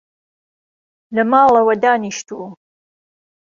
لە ماڵەوە دانیشتووم